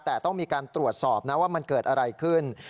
แต่ต้องมีการตรวจสอบนะว่ามันเกิดอะไรขึ้น